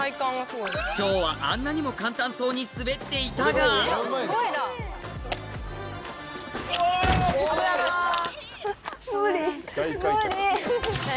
しょうはあんなにも簡単そうに滑っていたが無理無理。